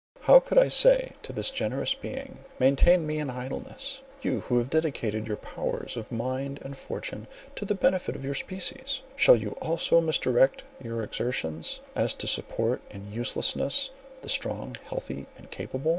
How could I say to this generous being, "Maintain me in idleness. You who have dedicated your powers of mind and fortune to the benefit of your species, shall you so misdirect your exertions, as to support in uselessness the strong, healthy, and capable?"